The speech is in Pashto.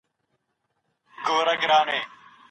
دوهم دا چي